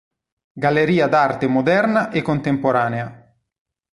Galleria d'Arte Moderna e Contemporanea